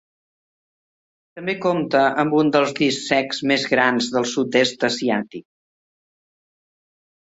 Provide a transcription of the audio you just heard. També compta amb un dels dics secs més grans del sud-est asiàtic.